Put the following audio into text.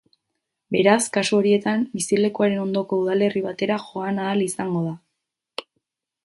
Beraz, kasu horietan, bizilekuaren ondoko udalerri batera joan ahal izango da.